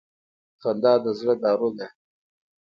• خندا د زړه دارو ده.